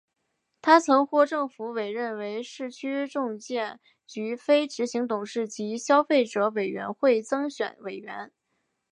他曾获政府委任为市区重建局非执行董事及消费者委员会增选委员。